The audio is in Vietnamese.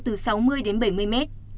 từ sáu mươi đến bảy mươi mét